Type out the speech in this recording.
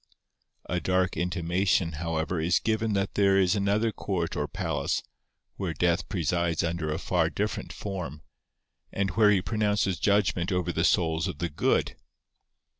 A dark intimation, however, is given that there is another court or palace, where Death presides under a far different form, and where he pronounces judgment over the souls of the good.